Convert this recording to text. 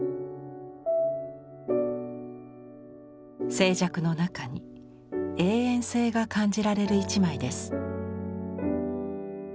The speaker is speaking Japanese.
静寂の中に永遠性が感じられる一枚です。